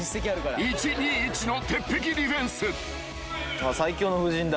［１−２−１の鉄壁ディフェンス］